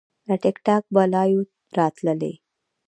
له ټیک ټاک به لایو راتللی